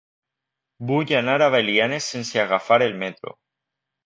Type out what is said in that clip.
Vull anar a Belianes sense agafar el metro.